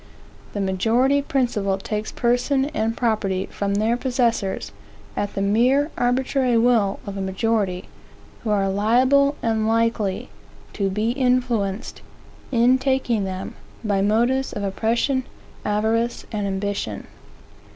The majority principle takes person and property from their possessors, at the mere arbitrary will of a majority, who are liable and likely to be influenced, in taking them, by motives of oppression, avarice, and ambition.